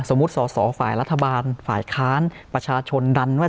สมมติว่าศวฝ่ายรัฐบาลฝ่ายค้านประชาชนดันว่า